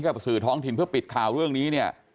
กับสื่อท้องถิ่นเพื่อปิดข่าวเรื่องนี้เนี่ย